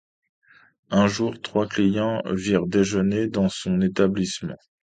Un jour, trois clients vinrent déjeuner dans son établissement.